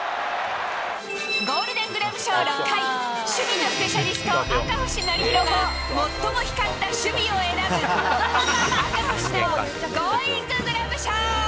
ゴールデンクラブ賞６回、守備のスペシャリスト、赤星憲広が、最も光った守備を選ぶ、赤星のゴーインググラブ賞。